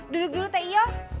duduk dulu teh iyo